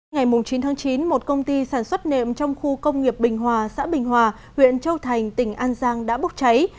ngày chín tháng chín một công ty sản xuất nệm trong khu công nghiệp bình hòa xã bình hòa huyện châu thành tỉnh an giang đã bốc cháy